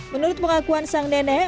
menurut pengakuan sang nenek